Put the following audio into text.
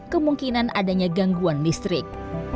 kemungkinan adanya gangguan listrik